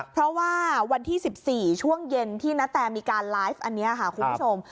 เพราะว่าวันที่๑๔ช่วงเย็นที่นาแตมีการไลฟ์อันนี้ค่ะคุณผู้ชม